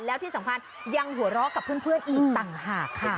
แล้วที่สำคัญยังหัวเราะกับเพื่อนอีกต่างหากค่ะ